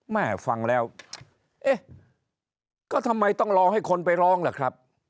แม่ฟังแล้วเอ๊ะก็ทำไมต้องรอให้คนไปร้องล่ะครับ